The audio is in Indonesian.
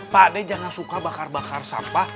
pak deh jangan suka bakar bakar sampah